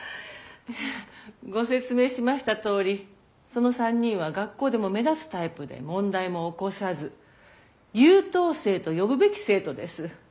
いえご説明しましたとおりその３人は学校でも目立つタイプで問題も起こさず優等生と呼ぶべき生徒です。